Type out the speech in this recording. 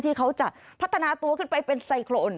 ที่เขาจะพัฒนาตัวขึ้นไปเป็นไซโครน